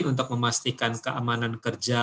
untuk memastikan keamanan kerja